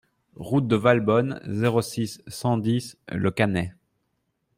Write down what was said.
Route de Valbonne, zéro six, cent dix Le Cannet